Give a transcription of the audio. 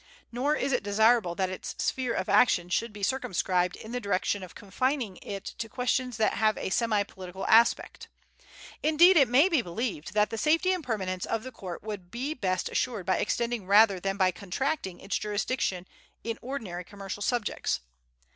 Nor is it desirable that its sphere of action should be circumscribed in the direction of confining it to questions that have a semi political aspect. Indeed, it may be believed that the safety and permanence of the court would be best assured by extending rather than by contracting its jurisdiction in ordinary comercial subjects.